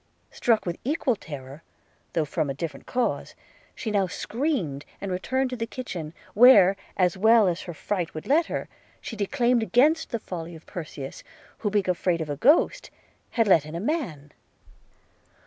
Struck with equal terror, though from a different cause, she now screamed and returned to the kitchen, where, as well as her fright would let her, she declaimed against the folly of Perseus, who being afraid of a ghost, had let in a man.